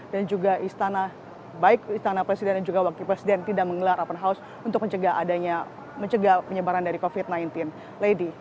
dan juga istana baik istana presiden juga wakil presiden tidak mengelar open house untuk mencegah adanya mencegah penyebaran dari covid sembilan belas lady